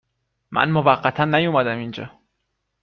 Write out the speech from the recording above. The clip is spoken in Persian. من موقتا نیومدم اینجا